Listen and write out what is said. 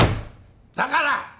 だから！